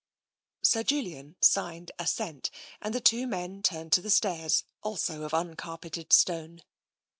Sir Julian signed assent, and the two men turned to the stairs, also of uncarpeted stone.